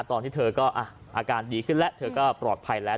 ตอนที่เธอก็อาการดีขึ้นแล้วเธอก็ปลอดภัยแล้ว